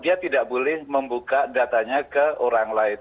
dia tidak boleh membuka datanya ke orang lain